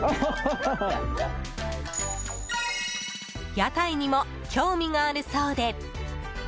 屋台にも興味があるそうで。